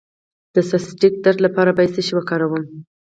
د سیاتیک درد لپاره باید څه شی وکاروم؟